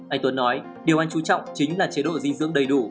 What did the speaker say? anh tuấn nói điều anh chú trọng chính là chế độ dinh dưỡng đầy đủ